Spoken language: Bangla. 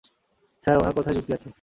স্যার উনার কথায় যুক্তি আছে।